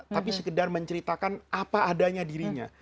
tapi sekedar menceritakan apa adanya dirinya